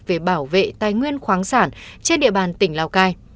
về bảo vệ tài nguyên khoáng sản trên địa bàn tỉnh lào cai